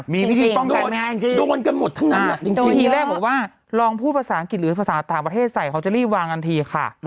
ทีแรกบอกว่าลองพูดภาษาอังกฤษหรือภาษาต่างประเทศใส่เขาจะรีบวางกันทีค่ะ